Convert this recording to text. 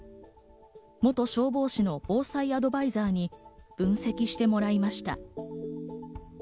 元消防士の防災アドバイザーに分析してもらいました。